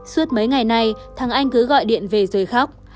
suốt mấy ngày này thằng anh cứ gọi điện về rồi khóc